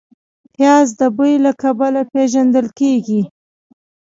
پیاز د بوی له کبله پېژندل کېږي